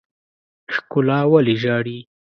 ښکلا ولې ژاړي.